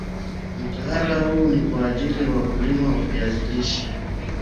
mtaala huu ni kwa ajili ya wakulima wa viazi lishe